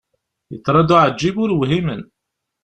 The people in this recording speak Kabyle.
Yeḍra-d uεeǧǧib ur whimen.